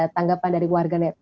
tanggapan dari warganet